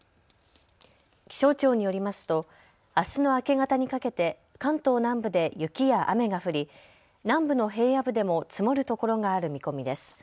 気象庁によりますとあすの明け方にかけて関東南部で雪や雨が降り南部の平野部でも積もるところがある見込みです。